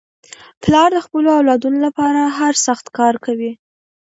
پلار د خپلو اولادنو لپاره هر سخت کار کوي.